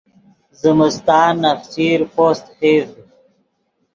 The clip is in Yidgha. زمستان نخچیر پوست خیڤد